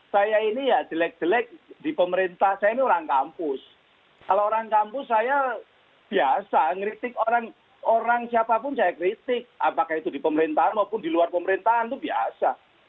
saya ini ya jelek jelek di pemerintah saya ini orang kampus kalau orang kampus saya biasa ngeritik orang orang siapapun saya kritik apakah itu di pemerintahan maupun di luar pemerintahan itu biasa